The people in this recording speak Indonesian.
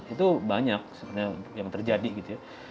itu banyak sebenarnya yang terjadi gitu ya